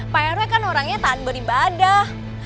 pak rw kan orangnya tahan beribadah